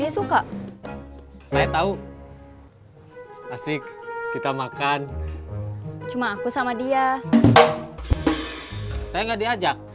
saya gak diajak